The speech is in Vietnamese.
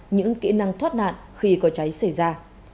những kỹ năng thoát nạn khi có cháy xảy ra